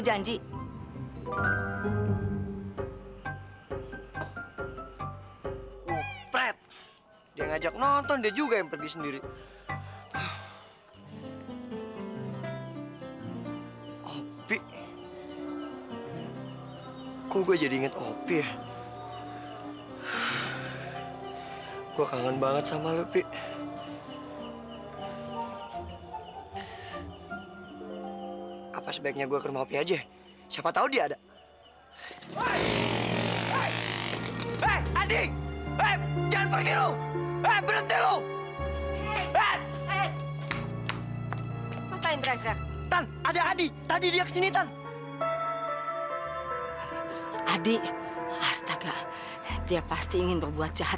sampai jumpa di video selanjutnya